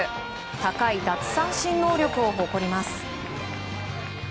高い奪三振能力を誇ります。